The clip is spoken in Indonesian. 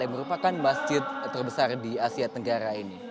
yang merupakan masjid terbesar di asia tenggara ini